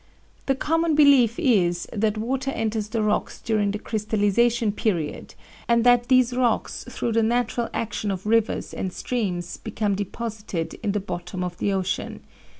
The common belief is that water enters the rocks during the crystalization period, and that these rocks through the natural action of rivers and streams become deposited in the bottom of the ocean.